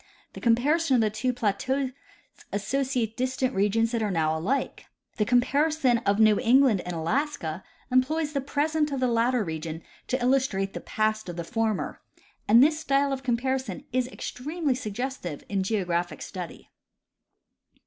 The comparison of the two plateaus associates distant regions that are now alike. The comparison of New England and Alaska employs the present of the latter region to illustrate the past of the former ; and this style of comparison is extremely suggestive in geographic study.